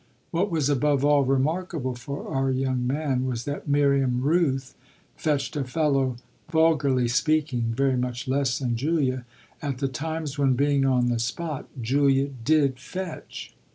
What was above all remarkable for our young man was that Miriam Rooth fetched a fellow, vulgarly speaking, very much less than Julia at the times when, being on the spot, Julia did fetch.